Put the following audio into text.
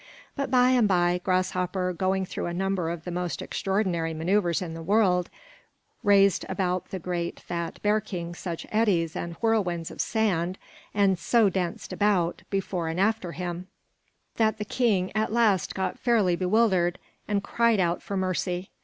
But by and by, Grasshopper, going through a number of the most extraordinary maneuvers in the world, raised about the great fat bear king such eddies and whirlwinds of sand, and so danced about, before and after him, that the king at last got fairly bewildered, and cried out for mercy.